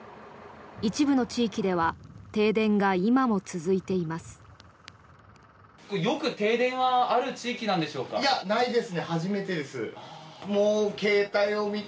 一部の地域では停電が今も続いています。